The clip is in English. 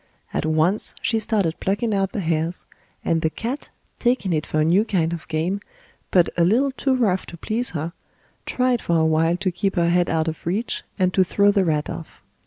At once she started plucking out the hairs, and the cat, taking it for a new kind of game, but a little too rough to please her, tried for a while to keep her head out of reach and to throw the rat off.